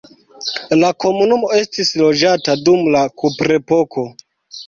La komunumo estis loĝata dum la kuprepoko.